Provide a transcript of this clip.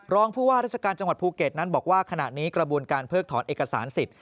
รองผู้ว่าราชการจังหวัดภูเก็ตนั้นบอกว่าขณะนี้กระบวนการเพิกถอนเอกสารสิทธิ